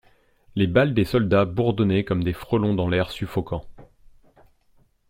Les balles des soldats bourdonnaient comme des frelons dans l'air suffocant.